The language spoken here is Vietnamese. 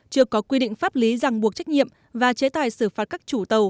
chưa có quy định pháp lý rằng buộc trách nhiệm và chế tài xử phát các chủ tàu